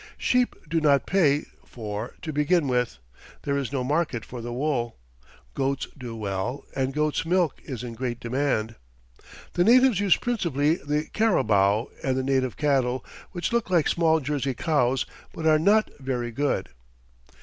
Sheep do not pay, for, to begin with, there is no market for the wool. Goats do well, and goats' milk is in great demand. The natives use principally the carabao and the native cattle, which look like small Jersey cows but are not very good.